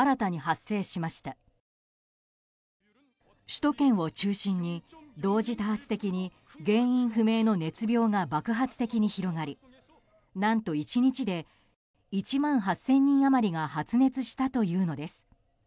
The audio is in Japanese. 首都圏を中心に同時多発的に原因不明の熱病が爆発的に広がり何と１日で１万８０００人余りが発熱したというのです。